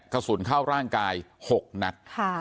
กระสุนเข้าร่างกาย๖นัด